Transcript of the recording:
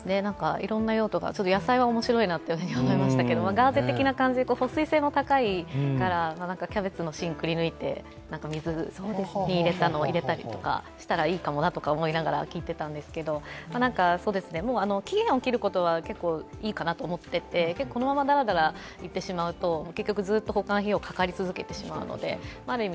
いろんな用途が、野菜は面白いなと思いましたけれども、ガーゼ的な感じで、保水性が高いからキャベツの芯をくりぬいて水に入れたのを入れたりとかしたらいいのかなと思いながら聞いていたんですけど期限を切ることはいいかなと思っていてこのままだらだらいってしまうと結局保管費用、かかり続けてしまうのである意味